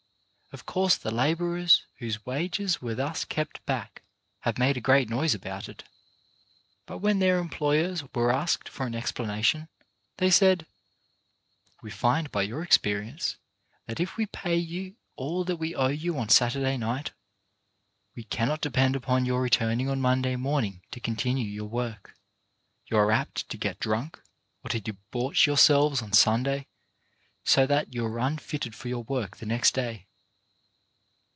Of course the labourers whose wages were thus kept back have made a great noise about it, but when their employers KEEPING YOUR WORD 135 were asked for an explanation, they said: "We find by experience that if we pay you all that we owe you on Saturday night, we cannot depend upon your returning on Monday morning to con tinue your work. You are apt to get drunk, or to debauch yourselves on Sunday so that you are un fitted for your work the next day."